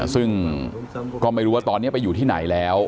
ซึ่งก็ไม่รู้ว่าตอนนี้ไปอยู่ที่ไหนแล้ว